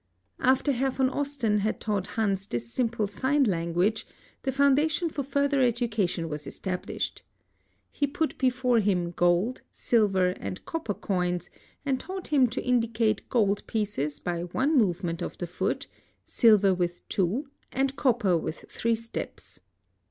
After Herr von Osten had taught Hans this simple sign language, the foundation for further education. was established. He put before him gold, silver, and copper coins, and taught him to indicate gold pieces by one movement of the foot, silver Trith two, and copper with three steps.